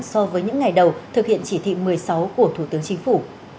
so với những ngày đầu thực hiện chỉ thị một mươi sáu của thủ tướng chính phủ